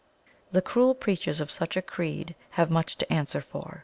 The cruel preachers of such a creed have much to answer for.